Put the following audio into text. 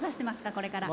これから。